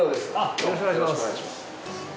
よろしくお願いします。